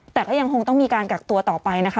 แต่ก็ยังคงต้องมีการกักตัวต่อไปนะคะ